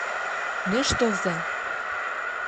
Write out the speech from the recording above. — Нӧштылза!..